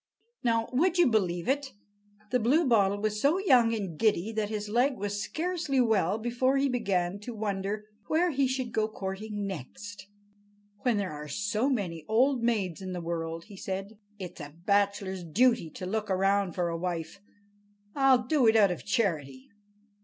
Now, would you believe it, the Bluebottle was so young and giddy that his leg was scarcely well before he began to wonder where he should go courting next. "When there are so many old maids in the world," said he, "it's a bachelor's duty to look round for a wife. I do it out of charity."